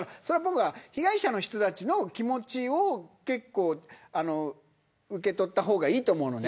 被害者の人たちの気持ちを受け取った方がいいと思うのね。